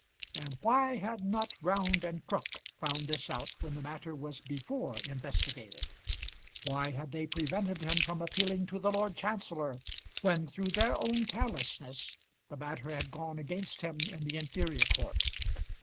And why had not Round and Crook found this out when the matter was before investigated? Why had they prevented him from appealing to the Lord Chancellor when, through their own carelessness, the matter had gone against him in the inferior court?